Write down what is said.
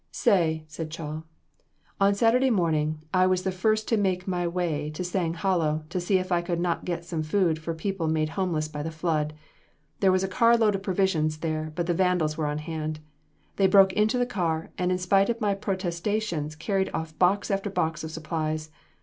"Say," said Chall. "On Saturday morning I was the first to make my way to Sang Hollow, to see if I could not get some food for people made homeless by the flood. There was a car load of provisions there, but the vandals were on hand. They broke into the car, and in spite of my protestations carried off box after box of supplies.